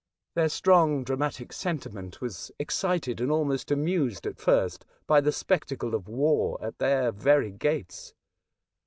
Their strong dramatic sentiment was excited and almost amused, at first, by the spectacle of war at their very gates.